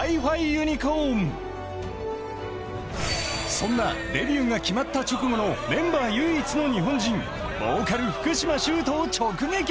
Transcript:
そんなデビューが決まった直後のメンバー唯一の日本人ボーカル・福嶌崇人を直撃。